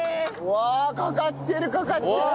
わあかかってるかかってる！